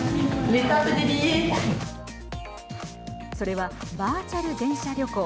それは、バーチャル電車旅行。